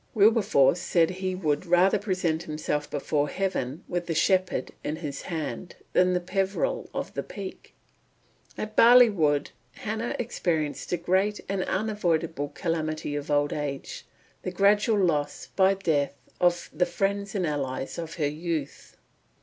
Wilberforce said he "would rather present himself before Heaven with the Shepherd in his hand than with Peveril of the Peak." At Barley Wood Hannah experienced the great and unavoidable calamity of old age, the gradual loss, by death, of the friends and allies of her youth.